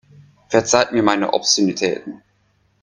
Verzeiht mir meine Obszönitäten.